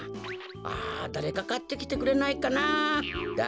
あだれかかってきてくれないかなだれか。